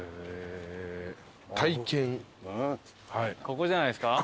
ここじゃないですか？